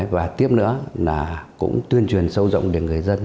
và tiếp nữa là cũng tuyên truyền sâu rộng đến người dân